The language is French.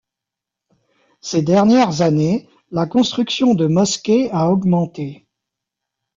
Ces dernières années, la construction de mosquées a augmenté.